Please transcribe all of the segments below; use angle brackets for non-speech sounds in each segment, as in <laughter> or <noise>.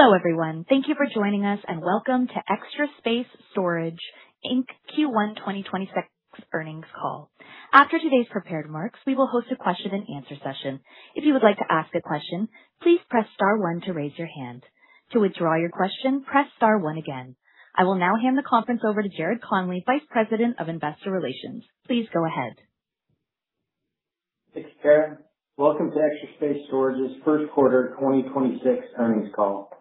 Hello, everyone. Thank you for joining us, and welcome to Extra Space Storage Inc. Q1 2026 earnings call. After today's prepared remarks, we will host a question and answer session. If you would like to ask a question, please press star one to raise your hand. To withdraw your question, press star one again. I will now hand the conference over to Jared Conley, Vice President of Investor Relations. Please go ahead. Thanks, Karen. Welcome to Extra Space Storage's first quarter 2026 earnings call.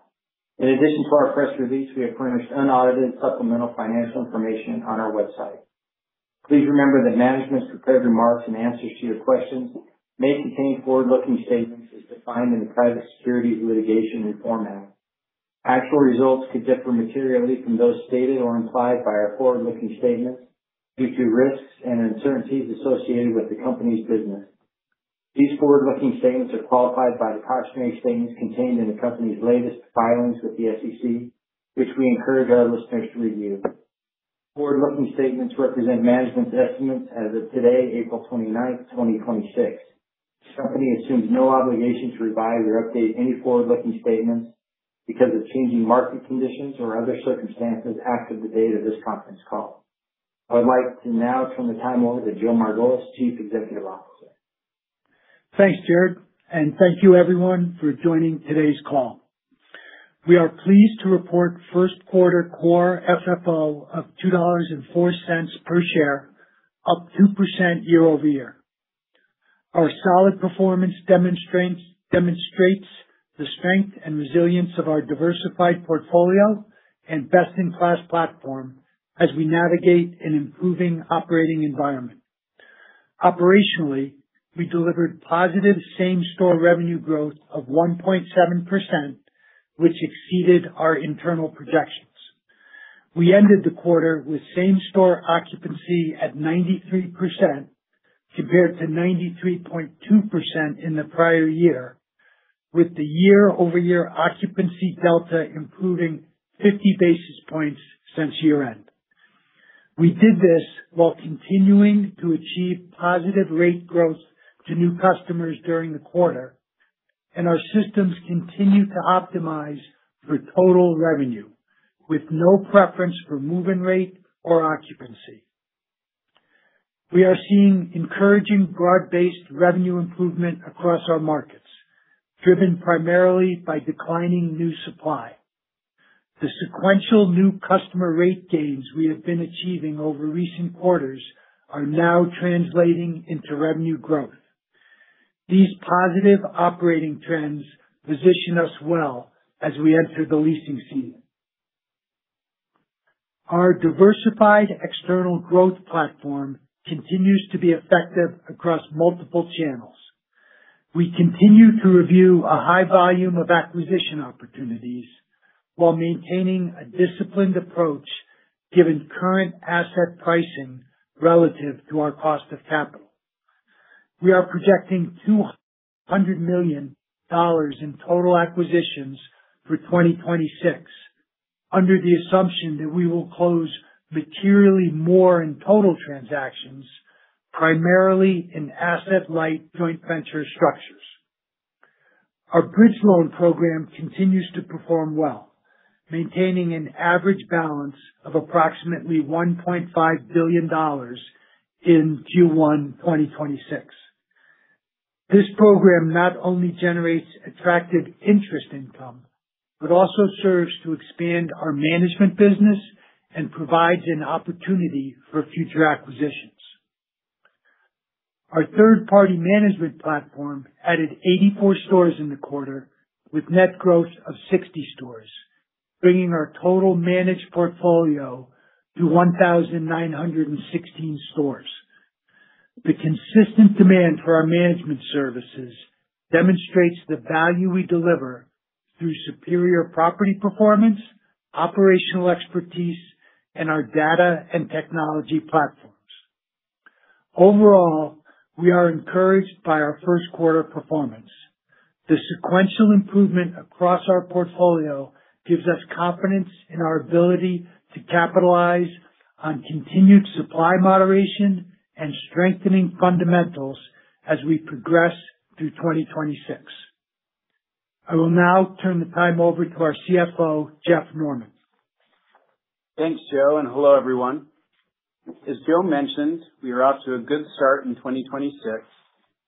In addition to our press release, we have furnished unaudited supplemental financial information on our website. Please remember that management's prepared remarks and answers to your questions may contain forward-looking statements as defined in the Private Securities Litigation Reform Act. Actual results could differ materially from those stated or implied by our forward-looking statements due to risks and uncertainties associated with the company's business. These forward-looking statements are qualified by the cautionary statements contained in the company's latest filings with the SEC, which we encourage our listeners to review. Forward-looking statements represent management's estimates as of today, April 29th, 2026. This company assumes no obligation to revise or update any forward-looking statements because of changing market conditions or other circumstances after the date of this conference call. I would like to now turn the time over to Joe Margolis, Chief Executive Officer. Thanks, Jared, and thank you everyone for joining today's call. We are pleased to report first quarter core FFO of $2.04 per share, up 2% year-over-year. Our solid performance demonstrates the strength and resilience of our diversified portfolio and best-in-class platform as we navigate an improving operating environment. Operationally, we delivered positive same-store revenue growth of 1.7%, which exceeded our internal projections. We ended the quarter with same-store occupancy at 93% compared to 93.2% in the prior year, with the year-over-year occupancy delta improving 50 basis points since year-end. We did this while continuing to achieve positive rate growth to new customers during the quarter. Our systems continue to optimize for total revenue with no preference for move-in rate or occupancy. We are seeing encouraging broad-based revenue improvement across our markets, driven primarily by declining new supply. The sequential new customer rate gains we have been achieving over recent quarters are now translating into revenue growth. These positive operating trends position us well as we enter the leasing season. Our diversified external growth platform continues to be effective across multiple channels. We continue to review a high volume of acquisition opportunities while maintaining a disciplined approach given current asset pricing relative to our cost of capital. We are projecting $200 million in total acquisitions for 2026 under the assumption that we will close materially more in total transactions, primarily in asset-light joint venture structures. Our bridge loan program continues to perform well, maintaining an average balance of approximately $1.5 billion in Q1 2026. This program not only generates attractive interest income, but also serves to expand our management business and provides an opportunity for future acquisitions. Our third-party management platform added 84 stores in the quarter with net growth of 60 stores, bringing our total managed portfolio to 1,916 stores. The consistent demand for our management services demonstrates the value we deliver through superior property performance, operational expertise, and our data and technology platforms. Overall, we are encouraged by our first quarter performance. The sequential improvement across our portfolio gives us confidence in our ability to capitalize on continued supply moderation and strengthening fundamentals as we progress through 2026. I will now turn the time over to our CFO, Jeff Norman. Thanks, Joe, and hello, everyone. As Joe mentioned, we are off to a good start in 2026,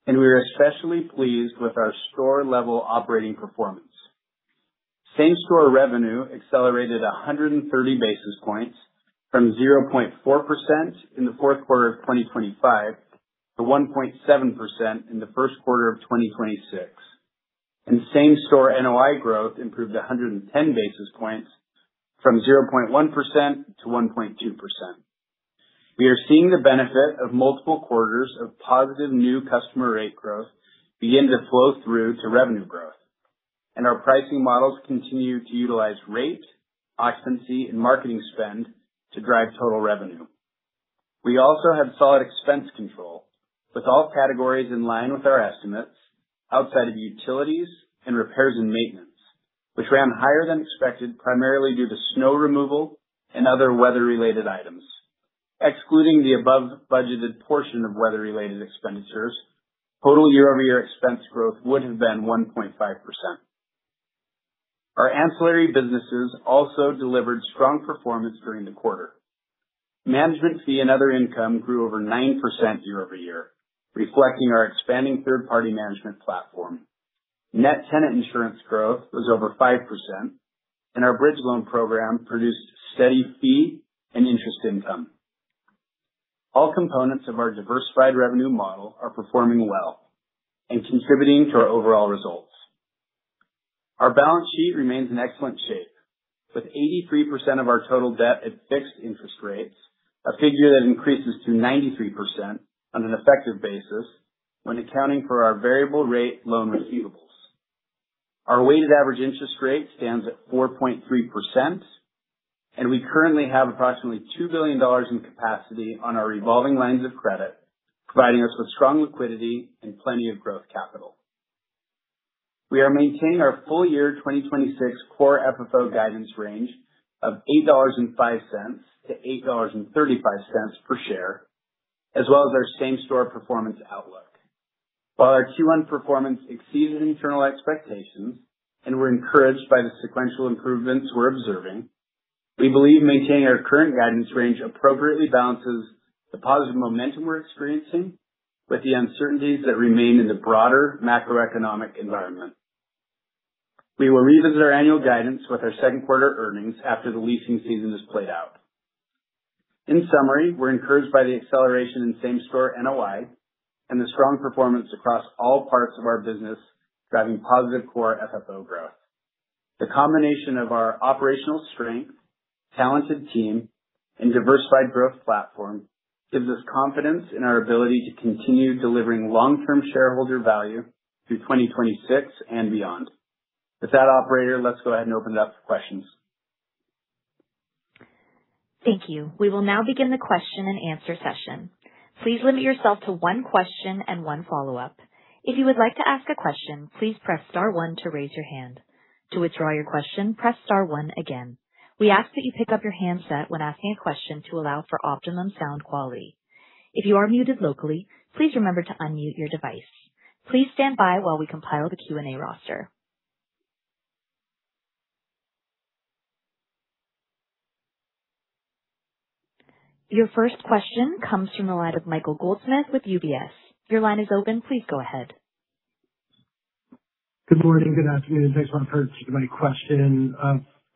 and we are especially pleased with our store level operating performance. Same-store revenue accelerated 130 basis points from 0.4% in the fourth quarter of 2025 to 1.7% in the first quarter of 2026. Same-store NOI growth improved 110 basis points from 0.1%-1.2%. We are seeing the benefit of multiple quarters of positive new customer rate growth begin to flow through to revenue growth, and our pricing models continue to utilize rate, occupancy, and marketing spend to drive total revenue. We also had solid expense control with all categories in line with our estimates outside of utilities and repairs and maintenance, which ran higher than expected primarily due to snow removal and other weather-related items. Excluding the above budgeted portion of weather-related expenditures, total year-over-year expense growth would have been 1.5%. Our ancillary businesses also delivered strong performance during the quarter. Management fee and other income grew over 9% year-over-year, reflecting our expanding third-party management platform. Net tenant insurance growth was over 5%, and our bridge loan program produced steady fee and interest income. All components of our diversified revenue model are performing well and contributing to our overall results. Our balance sheet remains in excellent shape, with 83% of our total debt at fixed interest rates, a figure that increases to 93% on an effective basis when accounting for our variable rate loan receivables. Our weighted average interest rate stands at 4.3%, we currently have approximately $2 billion in capacity on our revolving lines of credit, providing us with strong liquidity and plenty of growth capital. We are maintaining our full year 2026 core FFO guidance range of $8.05-$8.35 per share, as well as our same store performance outlook. While our Q1 performance exceeds internal expectations and we're encouraged by the sequential improvements we're observing, we believe maintaining our current guidance range appropriately balances the positive momentum we're experiencing with the uncertainties that remain in the broader macroeconomic environment. We will revisit our annual guidance with our second quarter earnings after the leasing season is played out. In summary, we're encouraged by the acceleration in same store NOI and the strong performance across all parts of our business, driving positive core FFO growth. The combination of our operational strength, talented team, and diversified growth platform gives us confidence in our ability to continue delivering long term shareholder value through 2026 and beyond. With that operator, let's go ahead and open it up for questions. Thank you. We will now begin the question and answer session. Please limit yourself to one question and one follow-up. If you would like to ask a question, please press star one to raise your hand. To withdraw your question, press star one again. We ask that you pick up your handset when asking a question to allow for optimum sound quality. If you are muted locally, please remember to unmute your device. Please stand by while we compile the Q&A roster. Your first question comes from the line of Michael Goldsmith with UBS. Your line is open. Please go ahead. Good morning. Good afternoon. Thanks. Want to purchase my question.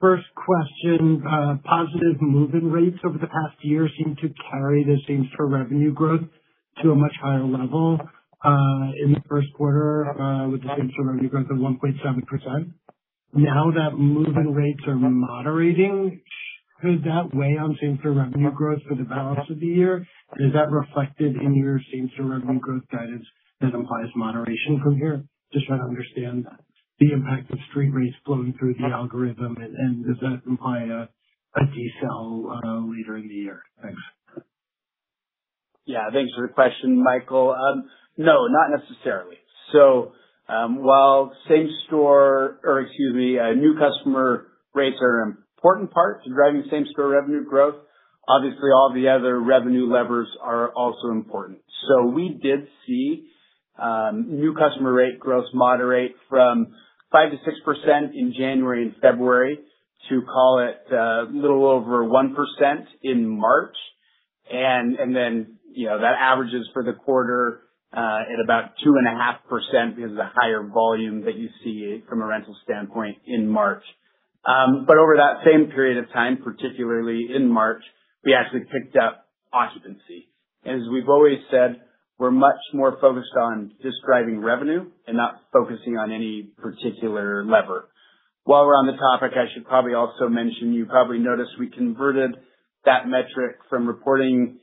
First question, positive move-in rates over the past year seem to carry the same store revenue growth to a much higher level in the first quarter, with the same store revenue growth of 1.7%. Now that move-in rates are moderating, does that weigh on same store revenue growth for the balance of the year? Is that reflected in your same store revenue growth guidance that implies moderation from here? Just trying to understand the impact of street rates flowing through the algorithm, does that imply a de-sell later in the year? Thanks. Yeah, thanks for the question, Michael. Not necessarily. While same store or excuse me, new customer rates are an important part to driving same store revenue growth, obviously all the other revenue levers are also important. We did see new customer rate growth moderate from 5%-6% in January and February to call it little over 1% in March. Then, you know, that averages for the quarter at about 2.5% because of the higher volume that you see from a rental standpoint in March. Over that same period of time, particularly in March, we actually picked up occupancy. As we've always said, we're much more focused on just driving revenue and not focusing on any particular lever. While we're on the topic, I should probably also mention, you probably noticed we converted that metric from reporting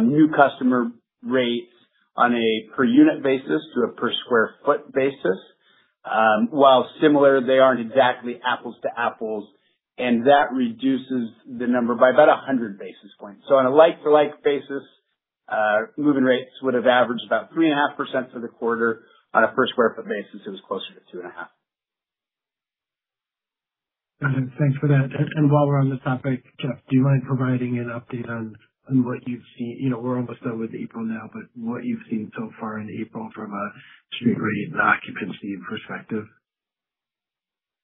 new customer rates on a per unit basis to a per square foot basis. While similar, they aren't exactly apples-to-apples, and that reduces the number by about 100 basis points. On a like-to-like basis, move-in rates would have averaged about 3.5% for the quarter. On a per square foot basis, it was closer to 2.5%. Got it. Thanks for that. While we're on the topic, Jeff, do you mind providing an update on what you've seen? You know, we're almost done with April now, but what you've seen so far in April from a street rate and occupancy perspective?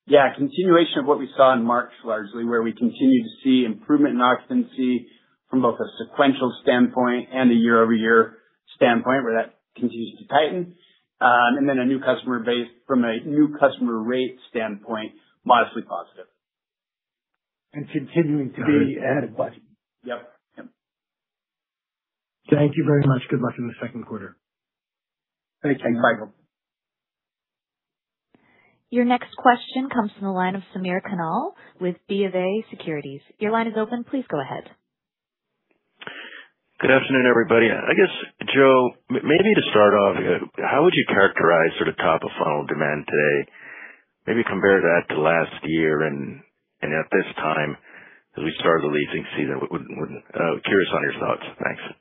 Yeah. Continuation of what we saw in March, largely where we continue to see improvement in occupancy from both a sequential standpoint and a year-over-year standpoint where that continues to tighten. A new customer base from a new customer rate standpoint, modestly positive. Continuing to be ahead of budget. Yep. Thank you very much. Good luck in the second quarter. Thank you, Michael. Your next question comes from the line of Samir Khanal with BofA Securities. Your line is open. Please go ahead. Good afternoon, everybody. I guess, Joe, maybe to start off, how would you characterize sort of top of funnel demand today? Maybe compare that to last year and at this time as we start the leasing season. We're curious on your thoughts. Thanks.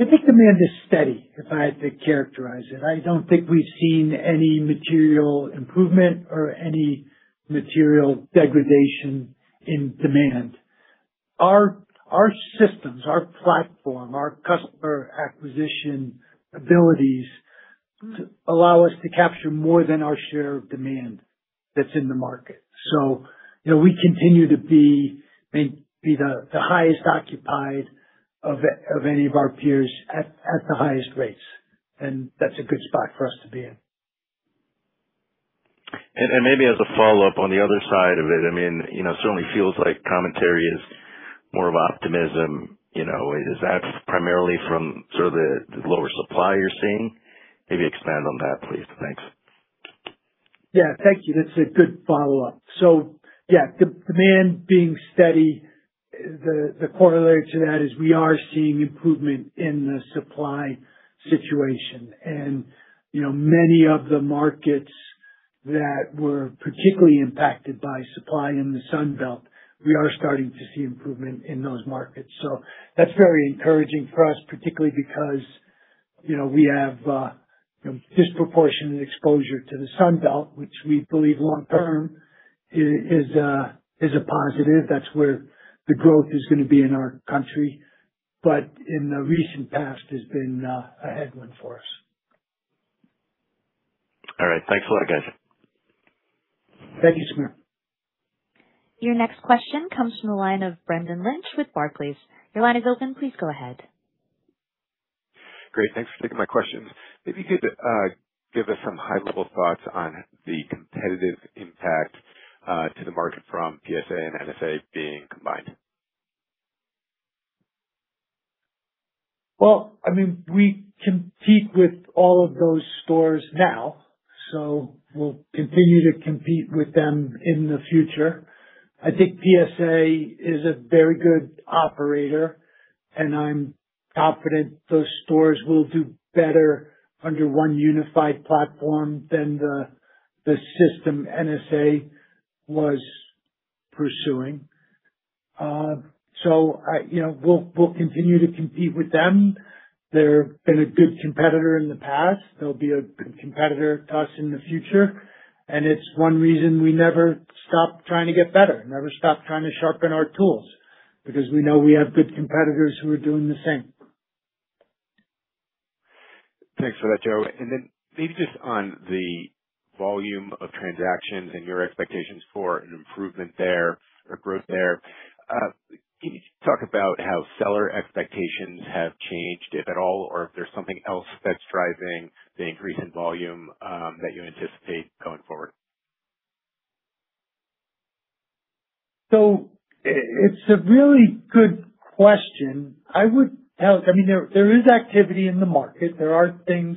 I think demand is steady, if I had to characterize it. I don't think we've seen any material improvement or any material degradation in demand. Our systems, our platform, our customer acquisition abilities allow us to capture more than our share of demand that's in the market. You know, we continue to be the highest occupied of any of our peers at the highest rates. That's a good spot for us to be in. Maybe as a follow-up on the other side of it, I mean, you know, it certainly feels like commentary is more of optimism, you know. Is that primarily from sort of the lower supply you're seeing? Maybe expand on that, please. Thanks. Yeah, thank you. That's a good follow-up. Yeah, de-demand being steady. The corollary to that is we are seeing improvement in the supply situation. You know, many of the markets that were particularly impacted by supply in the Sun Belt, we are starting to see improvement in those markets. That's very encouraging for us, particularly because, you know, we have, you know, disproportionate exposure to the Sun Belt, which we believe long term is a positive. That's where the growth is gonna be in our country, but in the recent past has been a headwind for us. All right. Thanks a lot, guys. Thank you, Samir. Your next question comes from the line of Brendan Lynch with Barclays. Your line is open. Please go ahead. Great. Thanks for taking my questions. If you could, give us some high level thoughts on the competitive impact to the market from PSA and NSA being combined. Well, I mean, we compete with all of those stores now, so we'll continue to compete with them in the future. I think PSA is a very good operator, and I'm confident those stores will do better under one unified platform than the system NSA was pursuing. You know, we'll continue to compete with them. They're been a good competitor in the past. They'll be a good competitor to us in the future. It's one reason we never stop trying to get better, never stop trying to sharpen our tools because we know we have good competitors who are doing the same. Thanks for that, Joe. Then maybe just on the volume of transactions and your expectations for an improvement there or growth there, can you talk about how seller expectations have changed, if at all, or if there's something else that's driving the increase in volume that you anticipate going forward? It's a really good question. I mean, there is activity in the market. There are things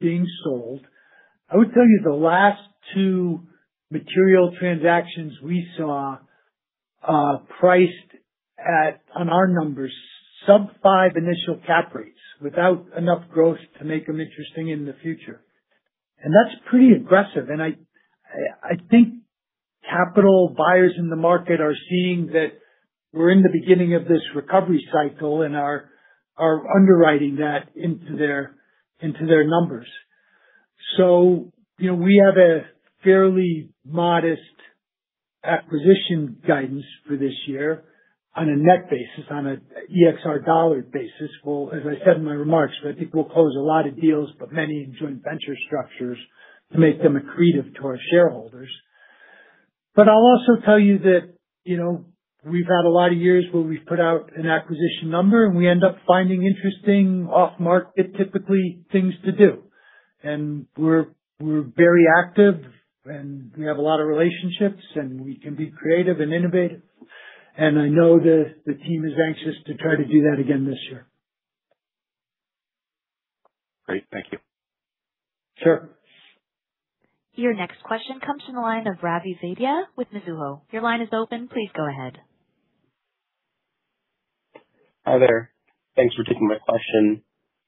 being sold. I would tell you the last two material transactions we saw priced at, on our numbers, sub five initial cap rates without enough growth to make them interesting in the future. That's pretty aggressive. I think capital buyers in the market are seeing that we're in the beginning of this recovery cycle and are underwriting that into their numbers. You know, we have a fairly modest acquisition guidance for this year on a net basis, on a EXR dollar basis. Well, as I said in my remarks, I think we'll close a lot of deals, but many in joint venture structures to make them accretive to our shareholders. I'll also tell you that, you know, we've had a lot of years where we've put out an acquisition number and we end up finding interesting off-market typically things to do. We're, we're very active and we have a lot of relationships and we can be creative and innovative. I know the team is anxious to try to do that again this year. Great. Thank you. Sure. Your next question comes from the line of Ravi Vaidya with Mizuho. Your line is open. Please go ahead. Hi, there. Thanks for taking my question.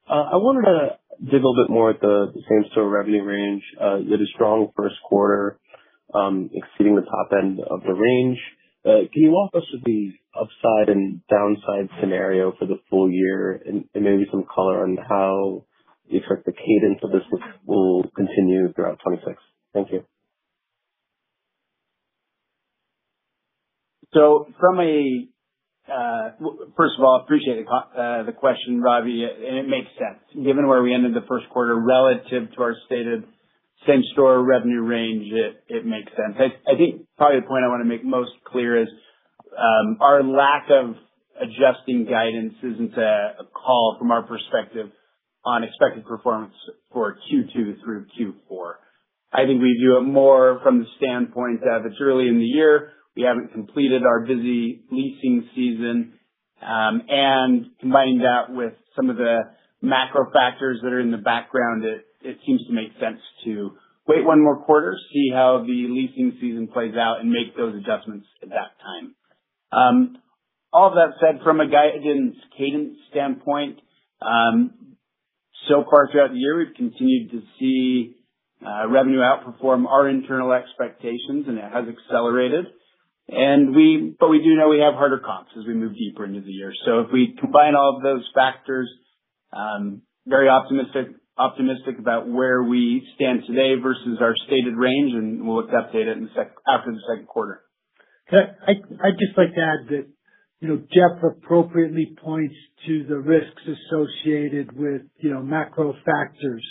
I wanted to dig a little bit more at the same-store revenue range. It is strong first quarter, exceeding the top end of the range. Can you walk us through the upside and downside scenario for the full year and maybe some color on how you expect the cadence of this will continue throughout 2026? Thank you. From a, well, first of all, appreciate the question, Ravi, and it makes sense. Given where we ended the first quarter relative to our stated same-store revenue range, it makes sense. I think probably the point I want to make most clear is, our lack of adjusting guidance isn't a call from our perspective on expected performance for Q2 through Q4. I think we view it more from the standpoint of it's early in the year. We haven't completed our busy leasing season. And combining that with some of the macro factors that are in the background, it seems to make sense to wait one more quarter, see how the leasing season plays out and make those adjustments at that time. All that said, from a guidance cadence standpoint, so far throughout the year, we've continued to see revenue outperform our internal expectations, and it has accelerated. We do know we have harder comps as we move deeper into the year. If we combine all of those factors, very optimistic about where we stand today versus our stated range, we'll update it after the second quarter. I'd just like to add that, you know, Jeff appropriately points to the risks associated with, you know, macro factors,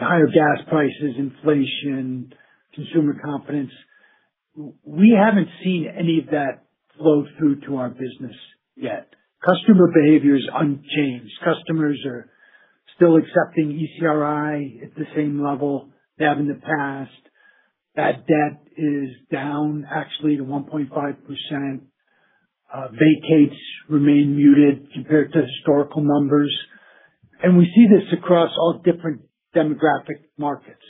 higher gas prices, inflation, consumer confidence. We haven't seen any of that flow through to our business yet. Customer behavior is unchanged. Customers are still accepting ECRI at the same level they have in the past. Bad debt is down actually to 1.5%. Vacates remain muted compared to historical numbers. We see this across all different demographic markets.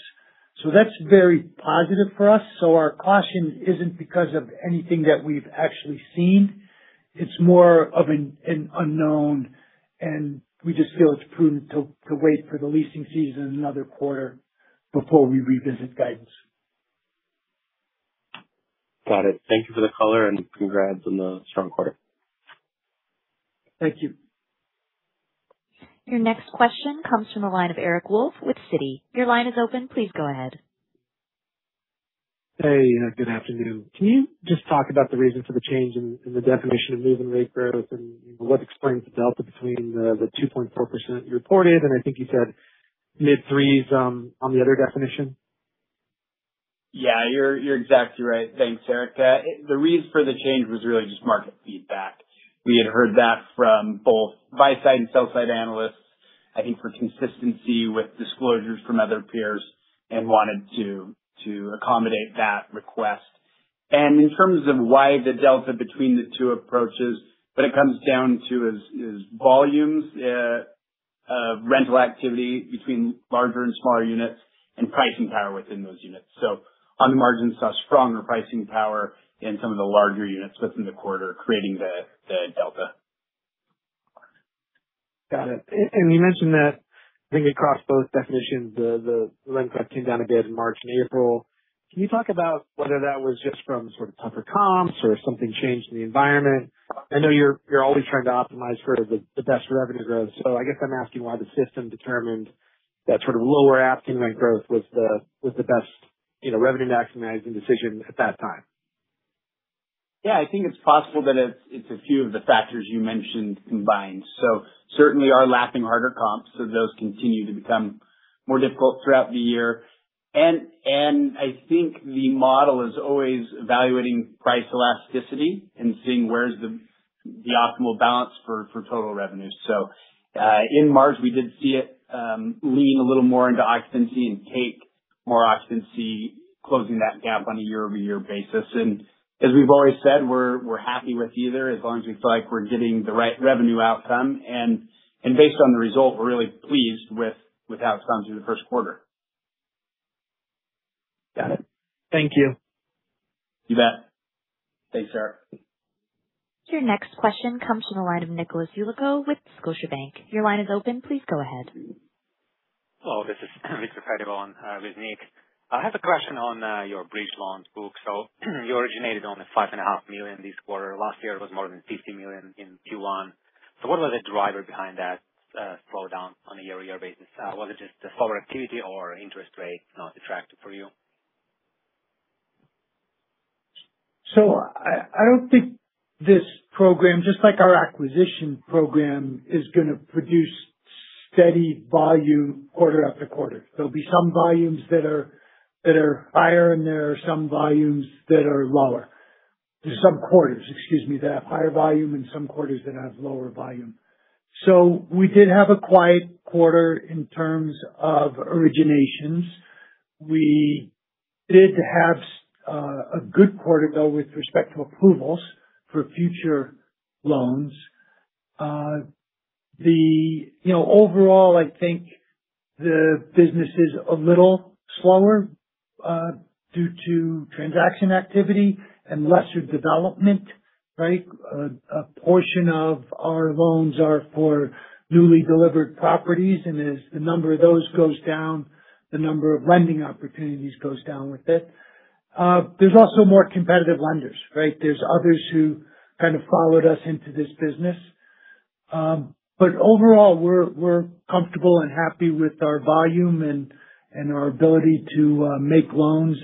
That's very positive for us. Our caution isn't because of anything that we've actually seen. It's more of an unknown, and we just feel it's prudent to wait for the leasing season another quarter before we revisit guidance. Got it. Thank you for the color and congrats on the strong quarter. Thank you. Your next question comes from the line of Eric Wolfe with Citi. Your line is open. Please go ahead. Hey, good afternoon. Can you just talk about the reason for the change in the definition of move-in rate growth and what explains the delta between the 2.4% you reported and I think you said mid-threes on the other definition? Yeah, you're exactly right. Thanks, Eric. The reason for the change was really just market feedback. We had heard that from both buy-side and sell-side analysts, I think for consistency with disclosures from other peers and wanted to accommodate that request. In terms of why the delta between the two approaches, what it comes down to is volumes, rental activity between larger and smaller units and pricing power within those units. On the margins, saw stronger pricing power in some of the larger units within the quarter, creating the delta. Got it. You mentioned that I think across both definitions, the rent growth came down a bit in March and April. Can you talk about whether that was just from sort of tougher comps or if something changed in the environment? I know you're always trying to optimize for the best revenue growth. I guess I'm asking why the system determined that sort of lower asking rent growth was the best, you know, revenue-maximizing decision at that time. Yeah, I think it's possible that it's a few of the factors you mentioned combined. Certainly are lapping harder comps, so those continue to become more difficult throughout the year. I think the model is always evaluating price elasticity and seeing where is the optimal balance for total revenue. In March, we did see it lean a little more into occupancy and take more occupancy closing that gap on a year-over-year basis. As we've always said, we're happy with either as long as we feel like we're getting the right revenue outcome. Based on the result, we're really pleased with outcomes in the first quarter. Got it. Thank you. You bet. Thanks, Eric. Your next question comes from the line of Nicholas Yulico with Scotiabank. Your line is open. Please go ahead. Hello, this is, <inaudible> with Nick. I have a question on your bridge loans book. You originated only $5.5 million this quarter. Last year it was more than $50 million in Q1. What was the driver behind that slowdown on a year-over-year basis? Was it just the slower activity or interest rate not attractive for you? I don't think this program, just like our acquisition program, is gonna produce steady volume quarter after quarter. There'll be some volumes that are higher, and there are some volumes that are lower. There's some quarters, excuse me, that have higher volume and some quarters that have lower volume. We did have a quiet quarter in terms of originations. We did have a good quarter though with respect to approvals for future loans. The, you know, overall, I think the business is a little slower due to transaction activity and lesser development, right? A portion of our loans are for newly delivered properties, and as the number of those goes down, the number of lending opportunities goes down with it. There's also more competitive lenders, right? There's others who kind of followed us into this business. Overall, we're comfortable and happy with our volume and our ability to make loans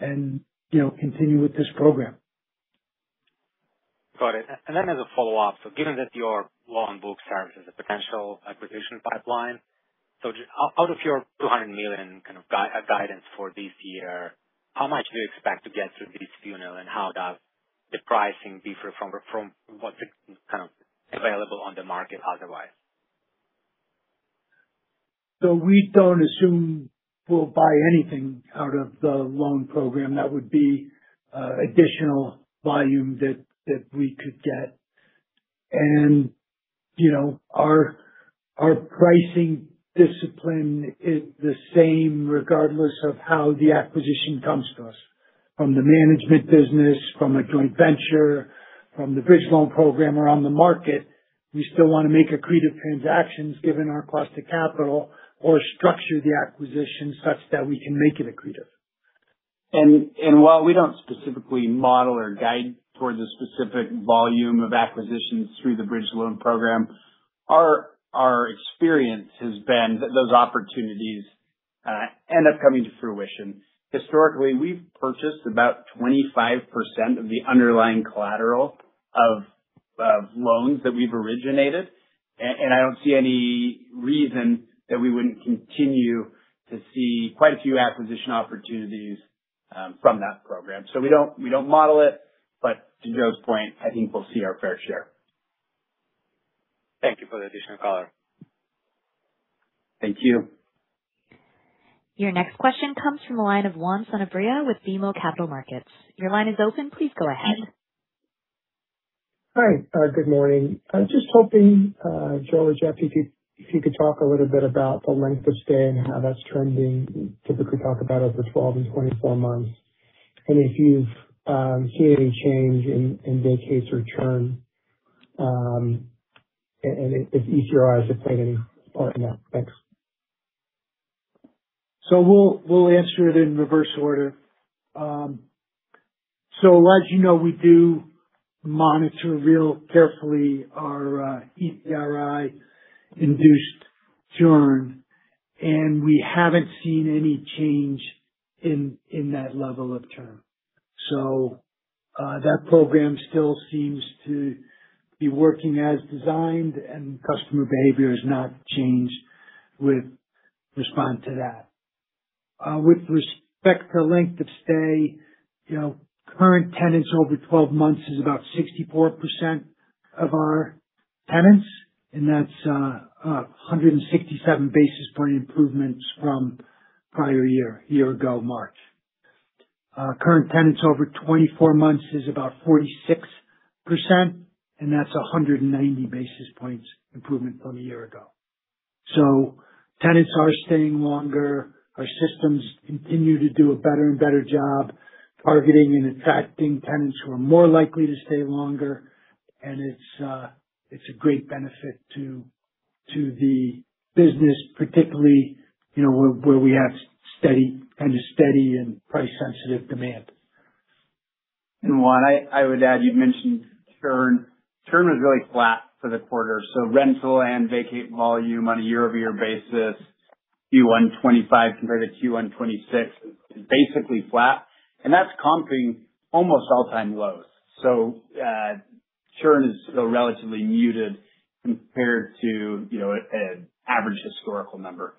and, you know, continue with this program. Got it. As a follow-up, given that your loan book serves as a potential acquisition pipeline, out of your $200 million kind of guidance for this year, how much do you expect to get through this funnel, and how does the pricing differ from what's kind of available on the market otherwise? We don't assume we'll buy anything out of the loan program. That would be additional volume that we could get. You know, our pricing discipline is the same regardless of how the acquisition comes to us, from the management business, from a joint venture, from the bridge loan program around the market. We still wanna make accretive transactions given our cost of capital or structure the acquisition such that we can make it accretive. While we don't specifically model or guide towards a specific volume of acquisitions through the bridge loan program, our experience has been that those opportunities end up coming to fruition. Historically, we've purchased about 25% of the underlying collateral of loans that we've originated. I don't see any reason that we wouldn't continue to see quite a few acquisition opportunities from that program. We don't, we don't model it. To Joe's point, I think we'll see our fair share. Thank you for the additional color. Thank you. Your next question comes from the line of Juan Sanabria with BMO Capital Markets. Your line is open. Please go ahead. Hi. Good morning. I was just hoping Joe or Jeff, if you could talk a little bit about the length of stay and how that's trending. You typically talk about over 12 and 24 months. If you've seen any change in vacates or churn, and if ECRI is affecting any or no? Thanks. We'll answer it in reverse order. As you know, we do monitor real carefully our ECRI induced churn, and we haven't seen any change in that level of churn. That program still seems to be working as designed, and customer behavior has not changed with respect to that. With respect to length of stay, you know, current tenants over 12 months is about 64% of our tenants, and that's 167 basis point improvements from prior year, a year ago, March. Current tenants over 24 months is about 46%, and that's 190 basis points improvement from a year ago. Tenants are staying longer. Our systems continue to do a better and better job targeting and attracting tenants who are more likely to stay longer. It's a great benefit to the business, particularly, you know, where we have steady kind of steady and price sensitive demand. Juan, I would add, you mentioned churn. Churn was really flat for the quarter, so rental and vacate volume on a year-over-year basis, Q1 2025 compared to Q1 2026 is basically flat, and that's comping almost all-time lows. Churn is still relatively muted compared to, you know, a, an average historical number.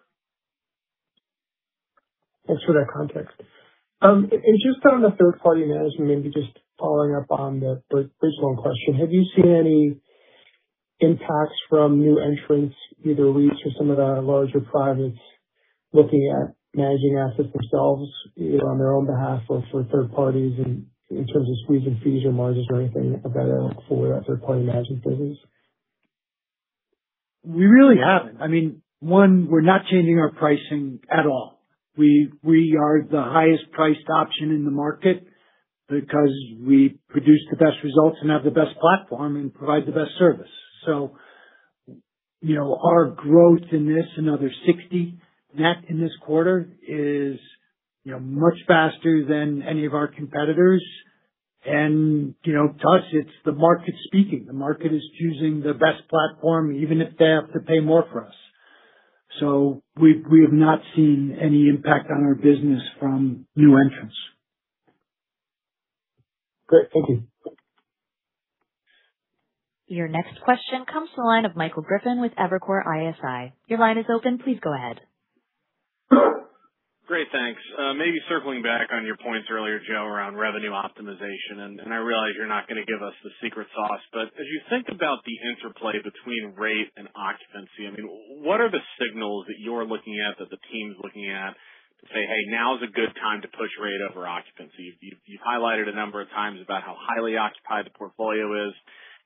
Thanks for that context. Just on the third-party management, maybe just following up on the bridge loan question, have you seen any impacts from new entrants, either REITs or some of the larger privates looking at managing assets themselves, either on their own behalf or for third parties in terms of squeezing fees or margins or anything like that for that third-party management business? We really haven't. I mean, one, we're not changing our pricing at all. We are the highest priced option in the market because we produce the best results and have the best platform and provide the best service. You know, our growth in this, another 60 net in this quarter is, you know, much faster than any of our competitors. You know, to us it's the market speaking. The market is choosing the best platform even if they have to pay more for us. We have not seen any impact on our business from new entrants. Great. Thank you. Your next question comes to the line of Michael Griffin with Evercore ISI. Your line is open. Please go ahead. Great. Thanks. Maybe circling back on your points earlier, Joe, around revenue optimization, I realize you're not gonna give us the secret sauce, but as you think about the interplay between rate and occupancy, I mean, what are the signals that you're looking at that the team's looking at to say, "Hey, now is a good time to push rate over occupancy"? You've highlighted a number of times about how highly occupied the portfolio is.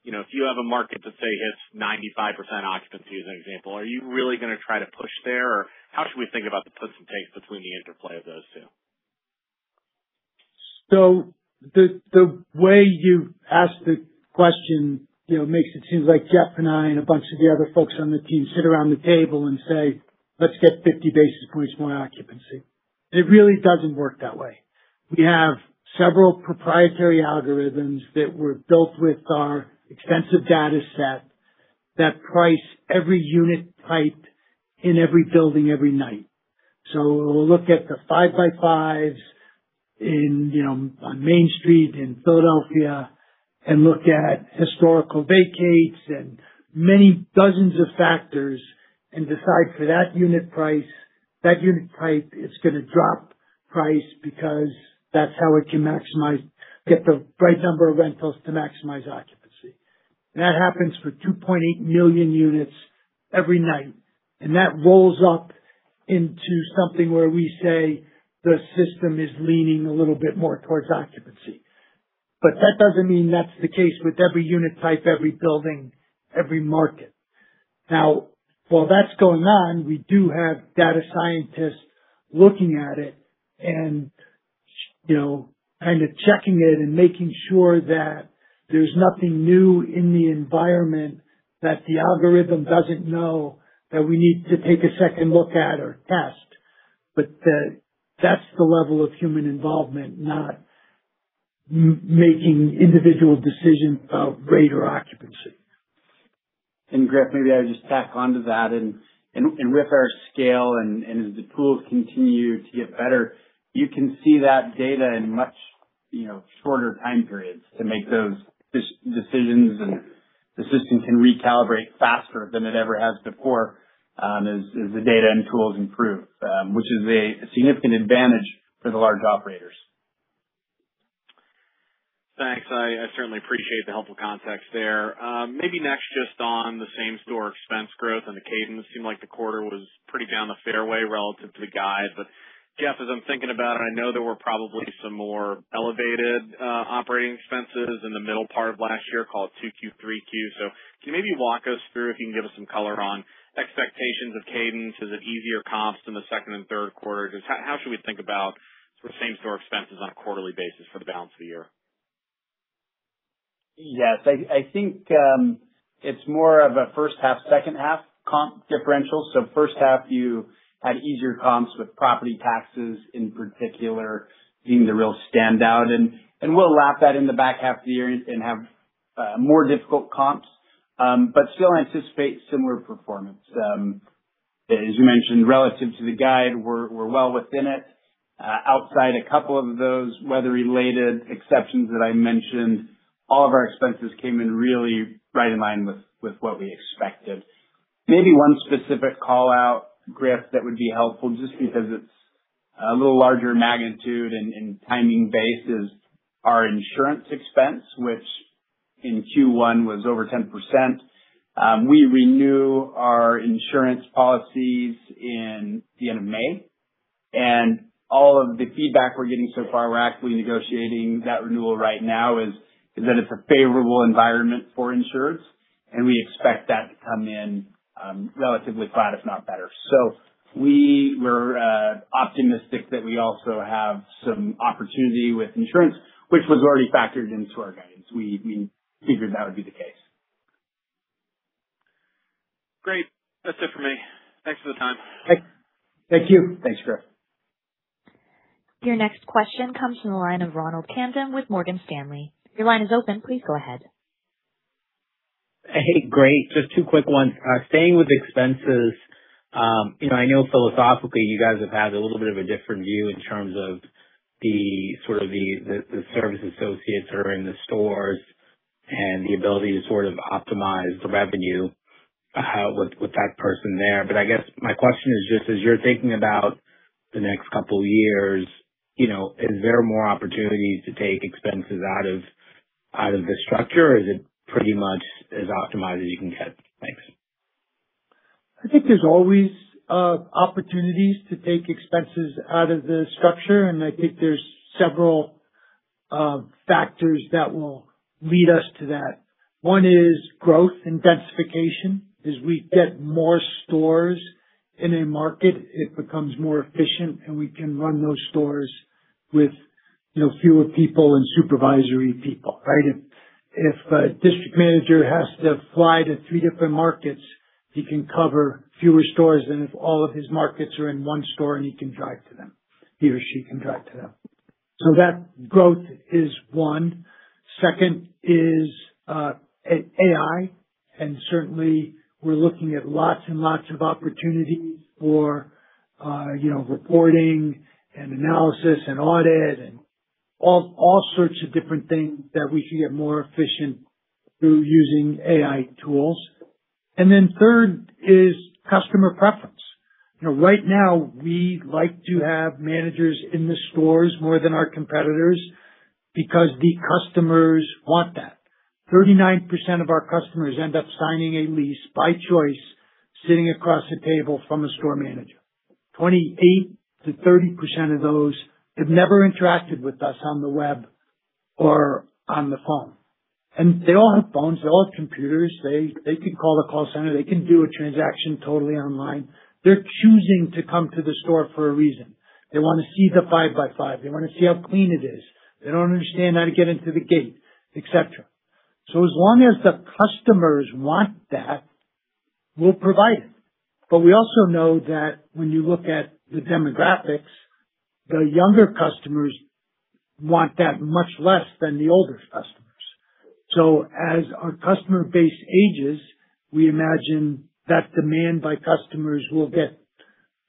You know, if you have a market that, say, hits 95% occupancy, as an example, are you really gonna try to push there? How should we think about the push and pull between the interplay of those two? The, the way you've asked the question, you know, makes it seem like Jeff and I and a bunch of the other folks on the team sit around the table and say, "Let's get 50 basis points more occupancy." It really doesn't work that way. We have several proprietary algorithms that were built with our extensive data set that price every unit type in every building every night. We'll look at the five by fives in, you know, on Main Street in Philadelphia and look at historical vacates and many dozens of factors and decide for that unit price, that unit type, it's gonna drop price because that's how it can get the right number of rentals to maximize occupancy. That happens for 2.8 million units every night. That rolls up into something where we say the system is leaning a little bit more towards occupancy. That doesn't mean that's the case with every unit type, every building, every market. Now, while that's going on, we do have data scientists looking at it and, you know, kind of checking it and making sure that there's nothing new in the environment that the algorithm doesn't know that we need to take a second look at or test. That's the level of human involvement, not making individual decisions about greater occupancy. Griff, maybe I would just tack onto that and with our scale and as the tools continue to get better, you can see that data in much, you know, shorter time periods to make those decisions. The system can recalibrate faster than it ever has before, as the data and tools improve, which is a significant advantage for the large operators. Thanks. I certainly appreciate the helpful context there. Maybe next, just on the same-store expense growth and the cadence. Seemed like the quarter was pretty down the fairway relative to the guide. Jeff, as I'm thinking about it, I know there were probably some more elevated operating expenses in the middle part of last year called 2Q, 3Q. Can you maybe walk us through, if you can give us some color on expectations of cadence? Is it easier comps in the second and third quarter? Just how should we think about sort of same-store expenses on a quarterly basis for the balance of the year? Yes. I think it's more of a first half, second half comp differential. First half you had easier comps with property taxes in particular being the real standout. We'll lap that in the back half of the year and have more difficult comps, but still anticipate similar performance. As you mentioned, relative to the guide, we're well within it. Outside a couple of those weather-related exceptions that I mentioned, all of our expenses came in really right in line with what we expected. Maybe one specific call-out, Griff, that would be helpful just because it's a little larger magnitude and timing base is our insurance expense, which in Q1 was over 10%. We renew our insurance policies in the end of May, and all of the feedback we're getting so far, we're actively negotiating that renewal right now is that it's a favorable environment for insurers, and we expect that to come in, relatively flat, if not better. We were optimistic that we also have some opportunity with insurance, which was already factored into our guidance. We figured that would be the case. Great. That's it for me. Thanks for the time. Thank you. Thanks, Griff. Your next question comes from the line of Ronald Kamdem with Morgan Stanley. Your line is open. Please go ahead. Hey, great. Just two quick ones. Staying with expenses. You know, I know philosophically you guys have had a little bit of a different view in terms of the sort of the, the service associates that are in the stores and the ability to sort of optimize the revenue with that person there. I guess my question is just as you're thinking about the next two years, you know, is there more opportunities to take expenses out of, out of the structure or is it pretty much as optimized as you can get? Thanks. I think there's always opportunities to take expenses out of the structure, and I think there's several factors that will lead us to that. One is growth intensification. As we get more stores in a market, it becomes more efficient and we can run those stores with, you know, fewer people and supervisory people, right? If a district manager has to fly to three different markets, he can cover fewer stores than if all of his markets are in one store and he can drive to them. He or she can drive to them. That growth is one. Second is AI. Certainly we're looking at lots and lots of opportunities for, you know, reporting and analysis and audit and all sorts of different things that we can get more efficient through using AI tools. Then third is customer preference. You know, right now we like to have managers in the stores more than our competitors because the customers want that. 39% of our customers end up signing a lease by choice sitting across the table from a store manager. 28%-30% of those have never interacted with us on the web or on the phone. They all have phones. They all have computers. They can call the call center. They can do a transaction totally online. They're choosing to come to the store for a reason. They want to see the five by five. They want to see how clean it is. They don't understand how to get into the gate, et cetera. As long as the customers want that, we'll provide it. We also know that when you look at the demographics, the younger customers want that much less than the older customers. As our customer base ages, we imagine that demand by customers will get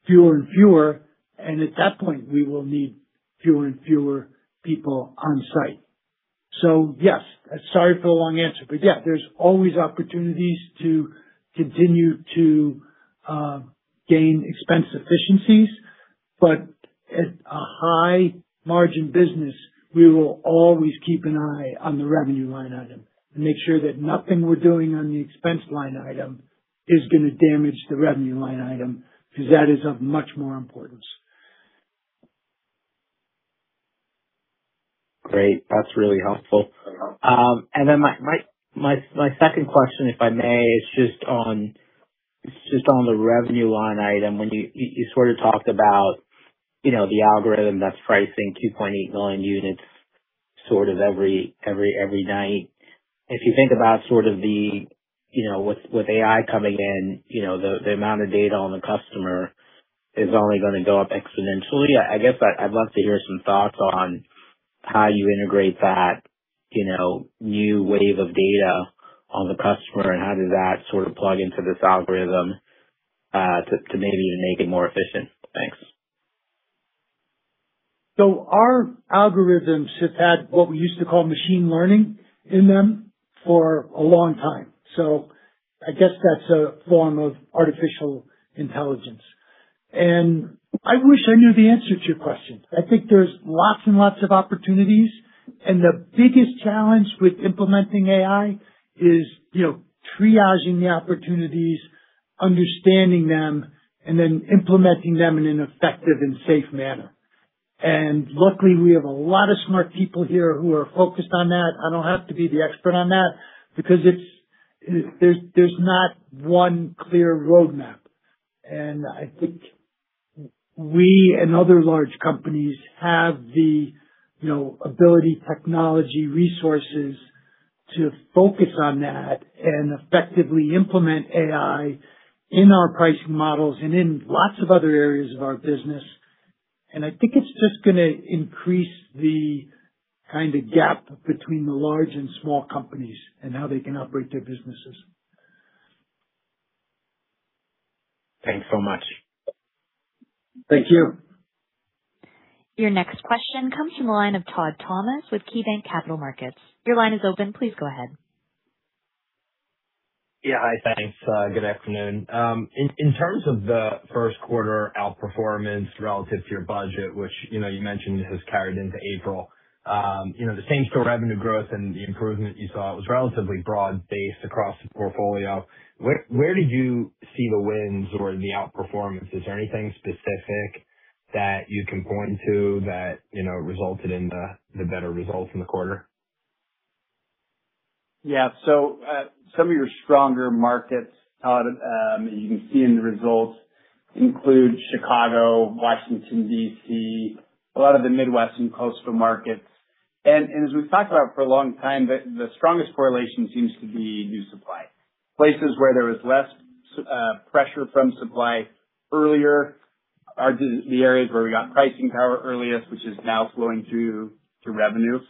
fewer and fewer, and at that point we will need fewer and fewer people on site. Yes, sorry for the long answer, but yeah, there's always opportunities to continue to gain expense efficiencies. At a high margin business, we will always keep an eye on the revenue line item and make sure that nothing we're doing on the expense line item is gonna damage the revenue line item because that is of much more importance. Great. That's really helpful. My second question, if I may, is just on the revenue line item when you sort of talked about, you know, the algorithm that's pricing 2.8 million units sort of every night. If you think about sort of the. You know, with AI coming in, you know, the amount of data on the customer is only gonna go up exponentially. I guess I'd love to hear some thoughts on how you integrate that, you know, new wave of data on the customer and how does that sort of plug into this algorithm to maybe even make it more efficient. Thanks. Our algorithms have had what we used to call machine learning in them for a long time. I guess that's a form of artificial intelligence. I wish I knew the answer to your question. I think there's lots and lots of opportunities, and the biggest challenge with implementing AI is, you know, triaging the opportunities, understanding them, and then implementing them in an effective and safe manner. Luckily, we have a lot of smart people here who are focused on that. I don't have to be the expert on that because it's there's not one clear roadmap. I think we and other large companies have the, you know, ability, technology, resources to focus on that and effectively implement AI in our pricing models and in lots of other areas of our business. I think it's just gonna increase the kind of gap between the large and small companies and how they can operate their businesses. Thanks so much. Thank you. Your next question comes from the line of Todd Thomas with KeyBanc Capital Markets. Your line is open. Please go ahead. Yeah. Hi. Thanks. Good afternoon. In terms of the first quarter outperformance relative to your budget, which, you know, you mentioned has carried into April, you know, the same-store revenue growth and the improvement you saw was relatively broad-based across the portfolio. Where did you see the wins or the outperformance? Is there anything specific that you can point to that, you know, resulted in the better results in the quarter? Yeah. Some of your stronger markets, Todd, you can see in the results include Chicago, Washington D.C., a lot of the Midwest and coastal markets. As we've talked about for a long time, the strongest correlation seems to be new supply. Places where there was less pressure from supply earlier are the areas where we got pricing power earliest, which is now flowing through to revenue.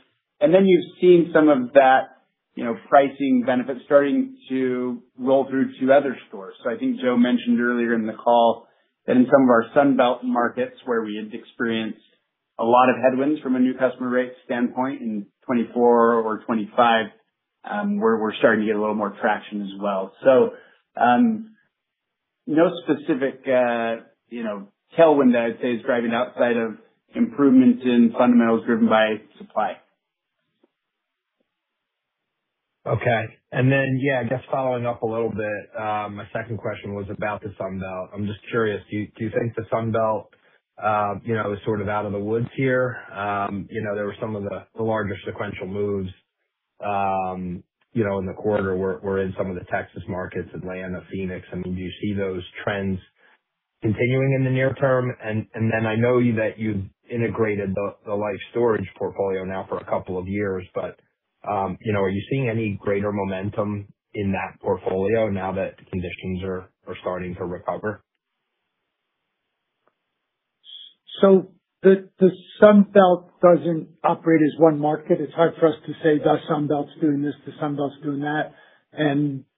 You've seen some of that, you know, pricing benefit starting to roll through to other stores. I think Joe mentioned earlier in the call that in some of our Sun Belt markets where we had experienced a lot of headwinds from a new customer rate standpoint in 2024 or 2025, we're starting to get a little more traction as well. No specific, you know, tailwind that I'd say is driving outside of improvements in fundamentals driven by supply. Okay. Yeah, I guess following up a little bit, my second question was about the Sun Belt. I'm just curious, do you think the Sun Belt, you know, is sort of out of the woods here? You know, there were some of the larger sequential moves, you know, in the quarter were in some of the Texas markets, Atlanta, Phoenix. I mean, do you see those trends continuing in the near term? I know that you've integrated the Life Storage portfolio now for a couple of years, but, you know, are you seeing any greater momentum in that portfolio now that conditions are starting to recover? The Sun Belt doesn't operate as one market. It's hard for us to say the Sun Belt's doing this, the Sun Belt's doing that.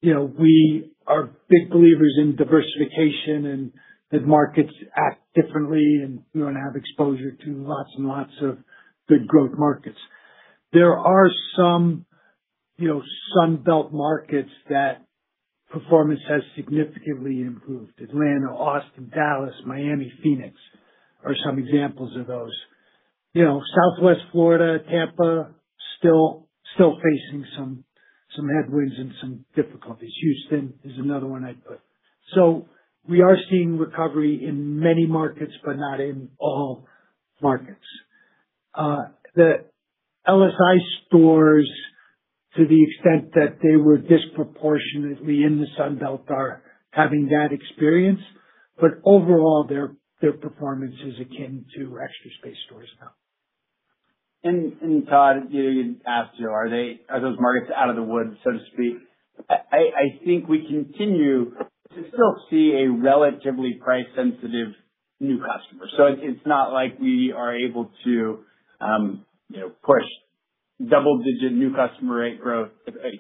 You know, we are big believers in diversification and that markets act differently, and we wanna have exposure to lots and lots of good growth markets. There are some, you know, Sun Belt markets that performance has significantly improved. Atlanta, Austin, Dallas, Miami, Phoenix are some examples of those. You know, Southwest Florida, Tampa, still facing some headwinds and some difficulties. Houston is another one I'd put. We are seeing recovery in many markets, but not in all markets. The LSI stores, to the extent that they were disproportionately in the Sun Belt, are having that experience. Overall, their performance is akin to Extra Space stores now. Todd, you know, you asked, Joe, are those markets out of the woods, so to speak? I think we continue to still see a relatively price sensitive new customer. It's not like we are able to, you know, push double digit new customer rate growth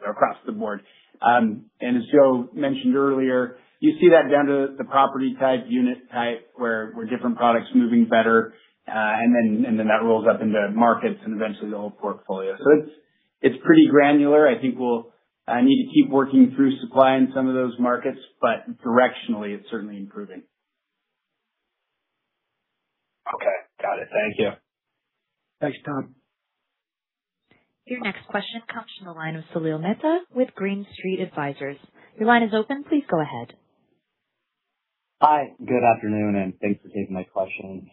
across the board. As Joe mentioned earlier, you see that down to the property type, unit type, where we're different products moving better. Then that rolls up into markets and eventually the whole portfolio. It's pretty granular. I think we'll need to keep working through supply in some of those markets, but directionally, it's certainly improving. Okay. Got it. Thank you. Thanks, Todd. Your next question comes from the line of Salil Mehta with Green Street Advisors. Your line is open. Please go ahead. Hi, good afternoon, and thanks for taking my question.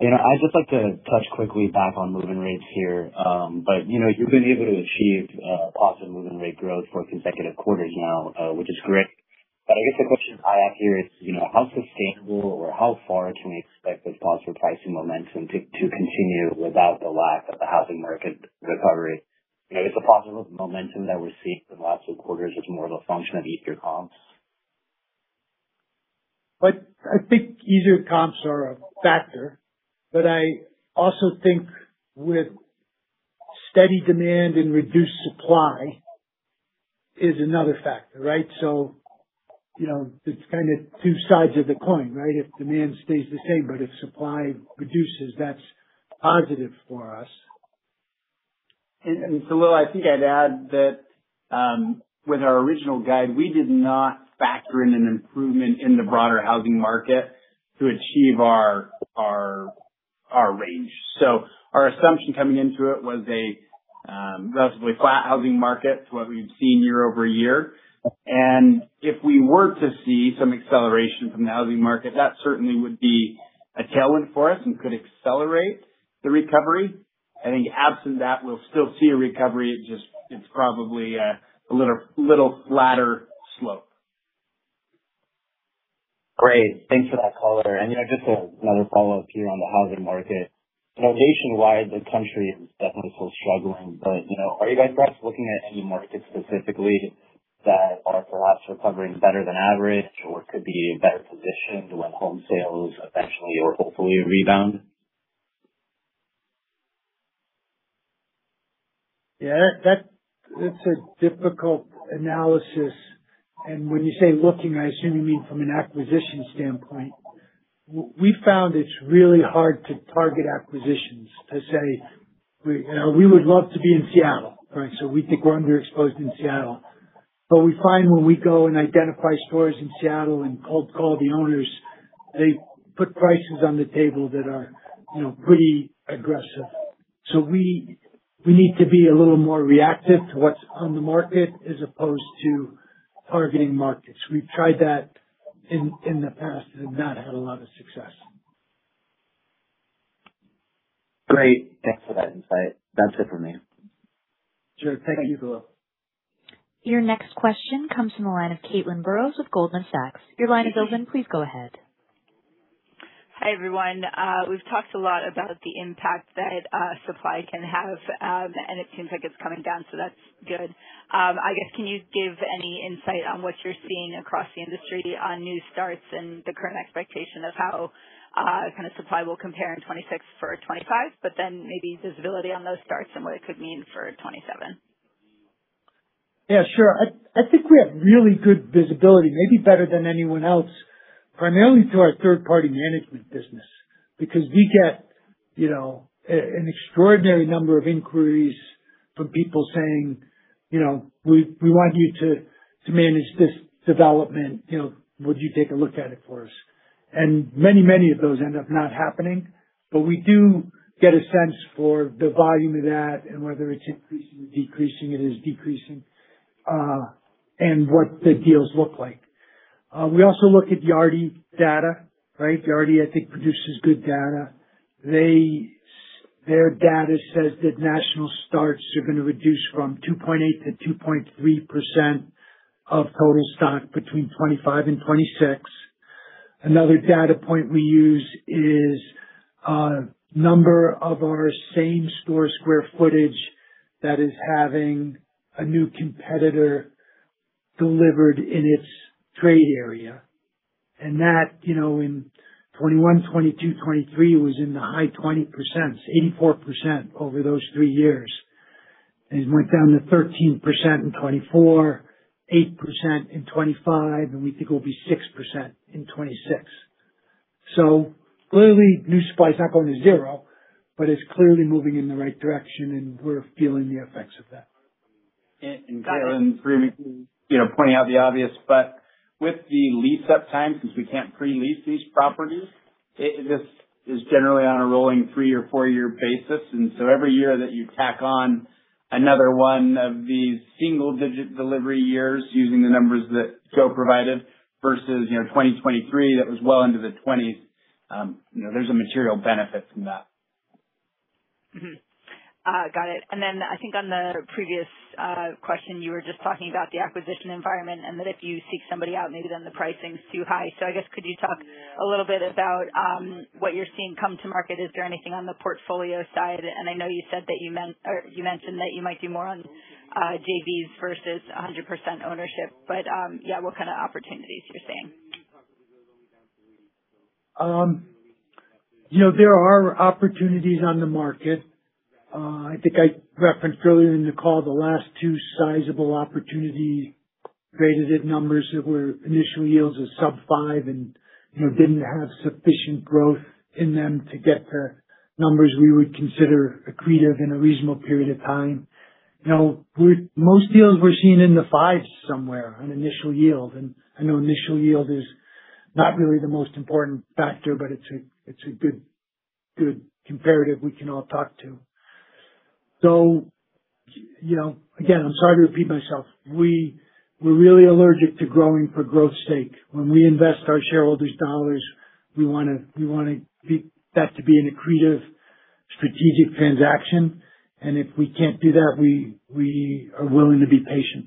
You know, I'd just like to touch quickly back on move-in rates here. You know, you've been able to achieve positive move-in rate growth for consecutive quarters now, which is great. I guess the question I have here is, you know, how sustainable or how far can we expect this positive pricing momentum to continue without the lack of the housing market recovery? You know, is the positive momentum that we're seeing from the last few quarters is more of a function of easier comps? I think easier comps are a factor, but I also think with steady demand and reduced supply is another factor, right? You know, it's kind of two sides of the coin, right? If demand stays the same, but if supply reduces, that's positive for us. Salil, I think I'd add that with our original guide, we did not factor in an improvement in the broader housing market to achieve our, our range. Our assumption coming into it was a relatively flat housing market to what we've seen year-over-year. If we were to see some acceleration from the housing market, that certainly would be a tailwind for us and could accelerate the recovery. I think absent that, we'll still see a recovery. It just it's probably a little flatter slope. Great. Thanks for that color. You know, just another follow-up here on the housing market. You know, nationwide, the country is definitely still struggling, but, you know, are you guys perhaps looking at any markets specifically that are perhaps recovering better than average or could be better positioned when home sales eventually or hopefully rebound? Yeah, that's a difficult analysis. When you say looking, I assume you mean from an acquisition standpoint. We found it's really hard to target acquisitions to say, we, you know, we would love to be in Seattle, right? We think we're underexposed in Seattle. We find when we go and identify stores in Seattle and cold call the owners, they put prices on the table that are, you know, pretty aggressive. We need to be a little more reactive to what's on the market as opposed to targeting markets. We've tried that in the past and have not had a lot of success. Great. Thanks for that insight. That's it for me. Sure. Thank you, Salil. Your next question comes from the line of Caitlin Burrows with Goldman Sachs. Your line is open. Please go ahead. Hi, everyone. We've talked a lot about the impact that supply can have, and it seems like it's coming down, so that's good. I guess, can you give any insight on what you're seeing across the industry on new starts and the current expectation of how kind of supply will compare in 2026 for 2025? Maybe visibility on those starts and what it could mean for 2027. Yeah, sure. I think we have really good visibility, maybe better than anyone else, primarily through our third-party management business because we get, you know, an extraordinary number of inquiries from people saying, you know, "We, we want you to manage this development. You know, would you take a look at it for us?" Many of those end up not happening. We do get a sense for the volume of that and whether it's increasing or decreasing. It is decreasing, and what the deals look like. We also look at Yardi data, right? Yardi, I think, produces good data. Their data says that national starts are gonna reduce from 2.8%-2.3% of total stock between 2025 and 2026. Another data point we use is number of our same-store square footage that is having a new competitor delivered in its trade area. That, you know, in 2021, 2022, 2023 was in the high 20%, 84% over those three years. It went down to 13% in 2024, 8% in 2025, and we think it will be 6% in 2026. Clearly new supply is not going to zero, but it's clearly moving in the right direction and we're feeling the effects of that. Got it. Caitlin, forgive me for, you know, pointing out the obvious, but with the lease-up time, since we can't pre-lease these properties, it just is generally on a rolling three or four year basis. Every year that you tack on another one of these single-digit delivery years, using the numbers that Joe provided versus, you know, 2023, that was well into the 20s, you know, there's a material benefit from that. Got it. I think on the previous question, you were just talking about the acquisition environment and that if you seek somebody out, maybe then the pricing's too high. I guess could you talk a little bit about what you're seeing come to market? Is there anything on the portfolio side? I know you said that you mentioned that you might do more on JVs versus a 100% ownership, but what kind of opportunities you're seeing. You know, there are opportunities on the market. I think I referenced earlier in the call the last two sizable opportunities rated at numbers that were initial yields of sub five and, you know, didn't have sufficient growth in them to get the numbers we would consider accretive in a reasonable period of time. You know, most deals we're seeing in the fives somewhere on initial yield, and I know initial yield is not really the most important factor, but it's a good comparative we can all talk to. You know, again, I'm sorry to repeat myself. We're really allergic to growing for growth's sake. When we invest our shareholders' dollars, we wanna that to be an accretive strategic transaction. If we can't do that, we are willing to be patient.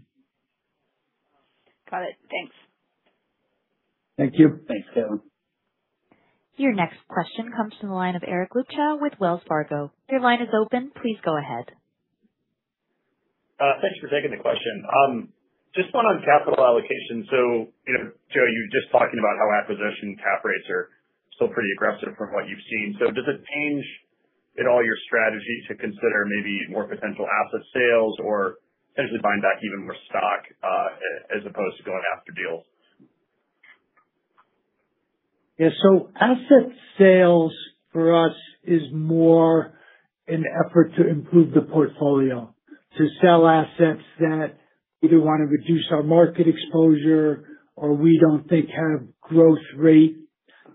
Got it. Thanks. Thank you. Thanks, Caitlin. Your next question comes from the line of Eric Luebchow with Wells Fargo. Your line is open. Please go ahead. Thanks for taking the question. Just one on capital allocation. You know, Joe, you were just talking about how acquisition cap rates are still pretty aggressive from what you've seen. Does it change at all your strategy to consider maybe more potential asset sales or potentially buying back even more stock, as opposed to going after deals? Yeah. Asset sales for us is more an effort to improve the portfolio, to sell assets that either wanna reduce our market exposure or we don't think have growth rate,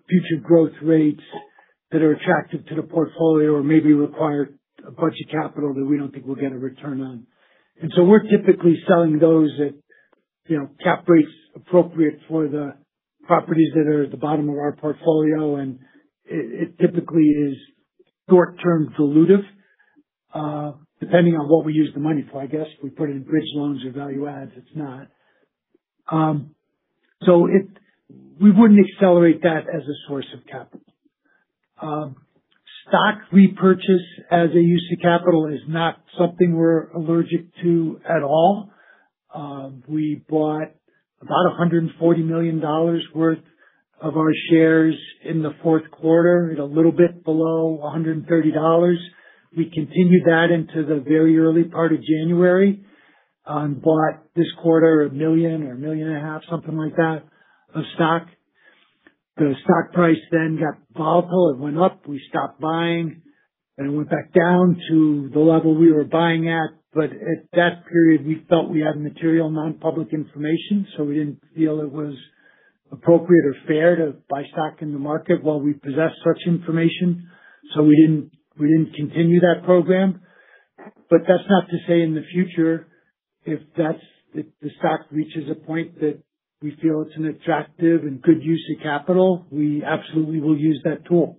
future growth rates that are attractive to the portfolio or maybe require a bunch of capital that we don't think we'll get a return on. We're typically selling those at, you know, cap rates appropriate for the properties that are at the bottom of our portfolio. It, it typically is short-term dilutive, depending on what we use the money for. I guess if we put it in bridge loans or value adds, it's not. So we wouldn't accelerate that as a source of capital. Stock repurchase as a use of capital is not something we're allergic to at all. We bought about $140 million worth of our shares in the fourth quarter at a little bit below $130. We continued that into the very early part of January, bought this quarter $1 million, $1.5 million, something like that, of stock. The stock price then got volatile. It went up. We stopped buying, then it went back down to the level we were buying at. At that period, we felt we had material non-public information, so we didn't feel it was appropriate or fair to buy stock in the market while we possessed such information. We didn't continue that program. That's not to say in the future, if the stock reaches a point that we feel it's an attractive and good use of capital, we absolutely will use that tool.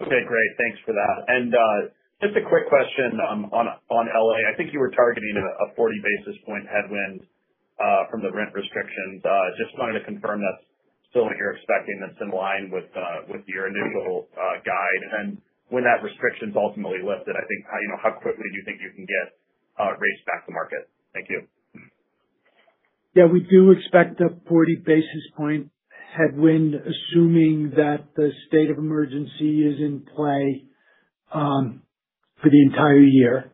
Okay, great. Thanks for that. Just a quick question on L.A. I think you were targeting a 40 basis points headwind from the rent restrictions. Just wanted to confirm that's still what you're expecting, that's in line with your annual guide. When that restriction's ultimately lifted, how quickly do you think you can get rates back to market? Thank you. Yeah, we do expect a 40 basis points headwind, assuming that the state of emergency is in play for the entire year.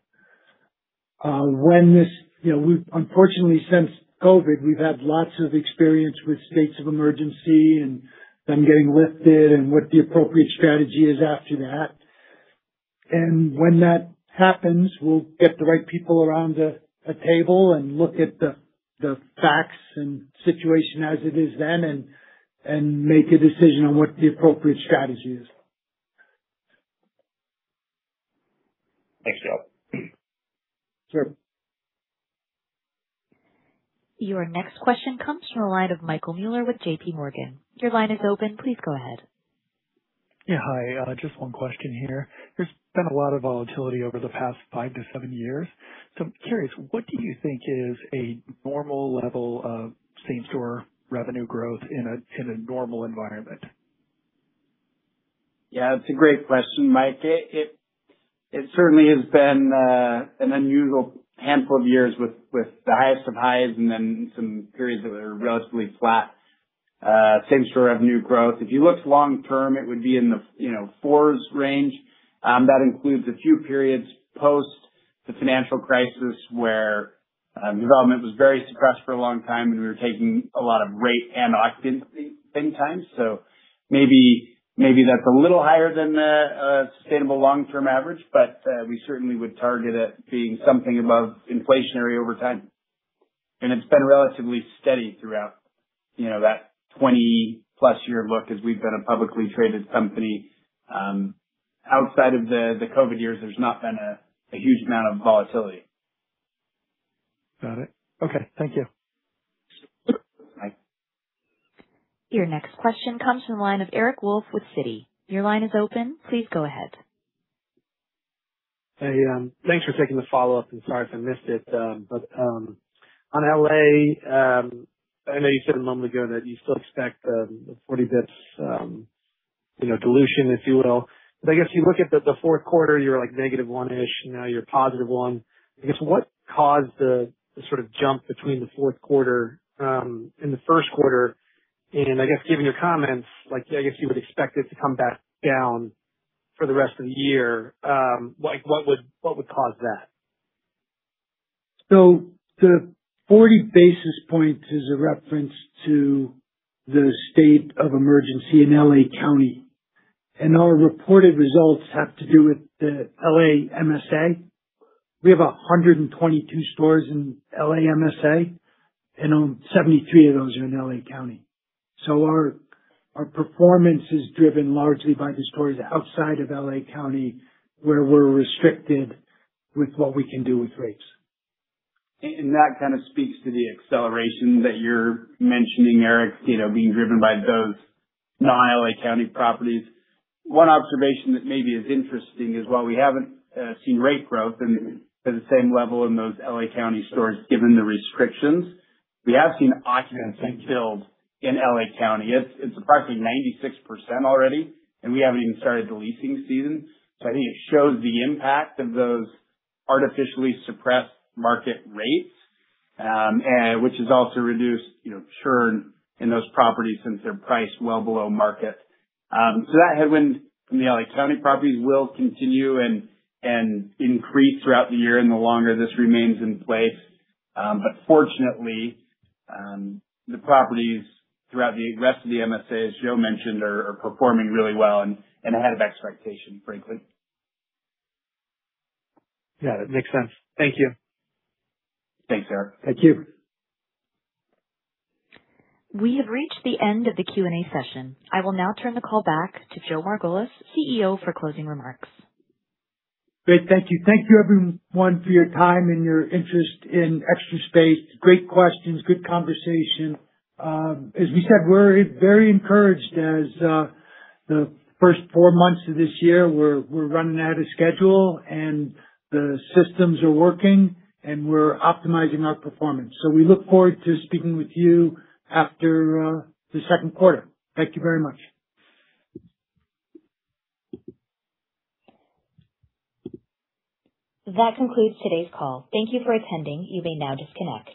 You know, we've unfortunately, since COVID, we've had lots of experience with states of emergency and them getting lifted and what the appropriate strategy is after that. When that happens, we'll get the right people around a table and look at the facts and situation as it is then and make a decision on what the appropriate strategy is. Thanks, Joe. Sure. Your next question comes from the line of Michael Mueller with JPMorgan. Your line is open. Please go ahead. Yeah. Hi, just 1 question here. There's been a lot of volatility over the past five to seven years. I'm curious, what do you think is a normal level of same store revenue growth in a, in a normal environment? Yeah, it's a great question, Mike. It certainly has been an unusual handful of years with the highest of highs and then some periods that are relatively flat, same store revenue growth. If you looked long term, it would be in the you know, fours range. That includes a few periods post the financial crisis where development was very suppressed for a long time, and we were taking a lot of rate and occupancy sometimes. Maybe that's a little higher than the sustainable long term average, but we certainly would target it being something above inflationary over time. It's been relatively steady throughout, you know, that 20+ year look as we've been a publicly traded company. Outside of the COVID years, there's not been a huge amount of volatility. Got it. Okay. Thank you. Bye. Your next question comes from the line of Eric Wolfe with Citi. Your line is open. Please go ahead. Hey, thanks for taking the follow-up and sorry if I missed it. On L.A., I know you said a moment ago that you still expect 40 basis points, you know, dilution, if you will. I guess you look at the fourth quarter, you were like -oneish-ish. Now you're +1. I guess what caused the sort of jump between the fourth quarter and the first quarter? I guess given your comments, like, I guess you would expect it to come back down for the rest of the year. Like what would cause that? The 40 basis points is a reference to the state of emergency in L.A. County. And our reported results have to do with the L.A. MSA. We have 122 stores in L.A. MSA, and 73 of those are in L.A. County. Our performance is driven largely by the stores outside of L.A. County, where we're restricted with what we can do with rates. That kind of speaks to the acceleration that you're mentioning, Eric, you know, being driven by those non-L.A. County properties. One observation that maybe is interesting is while we haven't seen rate growth and at the same level in those L.A. County stores, given the restrictions, we have seen occupancy build in L.A. County. It's approximately 96% already, and we haven't even started the leasing season. I think it shows the impact of those artificially suppressed market rates, which has also reduced, you know, churn in those properties since they're priced well below market. That headwind from the L.A. County properties will continue and increase throughout the year and the longer this remains in place. Fortunately, the properties throughout the rest of the MSA, as Joe mentioned, are performing really well and ahead of expectation, frankly. Yeah, that makes sense. Thank you. Thanks, Eric. Thank you. We have reached the end of the Q&A session. I will now turn the call back to Joe Margolis, CEO, for closing remarks. Great. Thank you. Thank you everyone for your time and your interest in Extra Space. Great questions, good conversation. As we said, we're very encouraged as the first four months of this year we're running out of schedule and the systems are working and we're optimizing our performance. We look forward to speaking with you after the second quarter. Thank you very much. That concludes today's call. Thank you for attending. You may now disconnect.